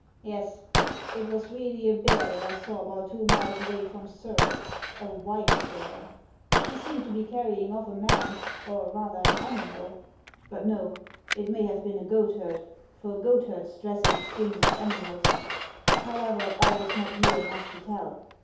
Yes, it was really a bear that I saw about two miles away from Surb, — a white bear. He seemed to be carrying off a man, or rather an animal. But no, it may have been a goat herd, for goatherds dress in the skins of animals ; how ever, I was not near enough to tell.